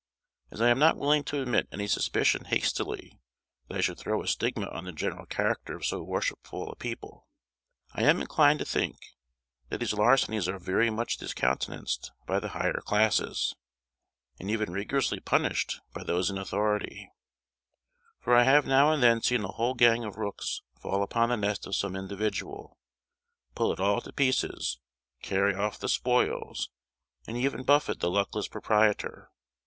As I am not willing to admit any suspicion hastily that should throw a stigma on the general character of so worshipful a people, I am inclined to think that these larcenies are very much discountenanced by the higher classes, and even rigorously punished by those in authority; for I have now and then seen a whole gang of rooks fall upon the nest of some individual, pull it all to pieces, carry off the spoils, and even buffet the luckless proprietor.